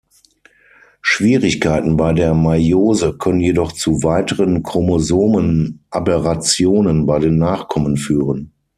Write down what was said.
Schwierigkeiten bei der Meiose können jedoch zu weiteren Chromosomenaberrationen bei den Nachkommen führen.